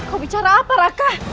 kau bicara apa raka